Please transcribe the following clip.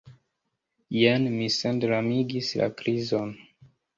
Jen, mi sendramigis la krizon.